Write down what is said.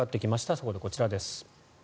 そこでこちらです。